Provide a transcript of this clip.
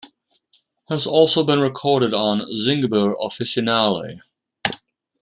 Has also been recorded on "Zingiber officinale".